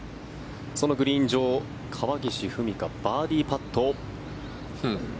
そのグリーン上川岸史果、バーディーパット。